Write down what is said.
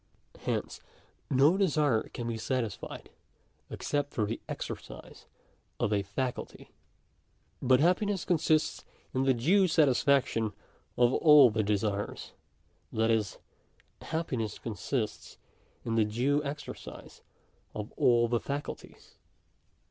Hence no desire can be satisfied except through the exercise of a faculty. But happiness con sists in the due satisfaction of all the desires ; that is, happi < ness consists in the due exercise of all the faculties.